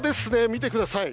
見てください。